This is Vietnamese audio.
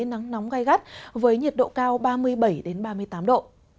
nắng nóng gai gắt với nhiệt độ cao ba mươi bảy ba mươi tám độ